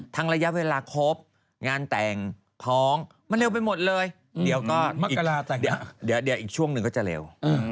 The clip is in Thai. ระยะเวลาครบงานแต่งท้องมันเร็วไปหมดเลยเดี๋ยวก็เดี๋ยวอีกช่วงหนึ่งก็จะเร็ว